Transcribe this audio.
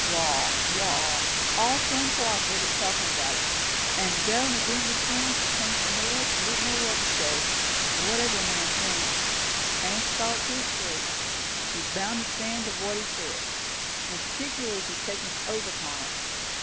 Wall, all Shampuashuh was talkin' about it, and Governor Denver's friends was hangin' their heads, and didn't know what to say; for whatever a man thinks, and thoughts is free, he's bound to stand to what he says, and particularly if he has taken his oath upon it.